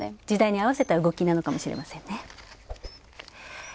時代に合わせた動きなのかもしれませんね。